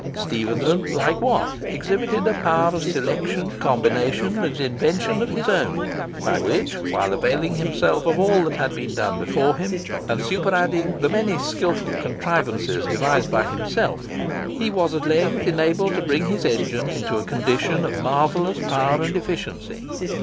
Stephenson, like Watt, exhibited a power of selection, combination, and invention of his own, by which—while availing himself of all that had been done before him, and superadding the many skilful contrivances devised by himself—he was at length enabled to bring his engine into a condition of marvellous power and efficiency.